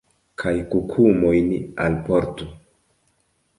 Kaj kukumojn alportu.